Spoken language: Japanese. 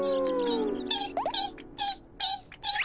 ピッピッピッピッ。